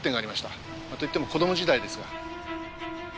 といっても子供時代ですが。